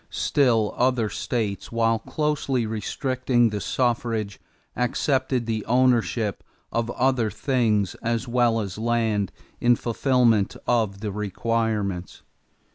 Still other states, while closely restricting the suffrage, accepted the ownership of other things as well as land in fulfillment of the requirements.